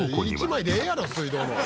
１枚でええやろ！